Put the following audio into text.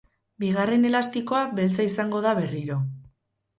Bigarren elastikoa beltza izango da berriro.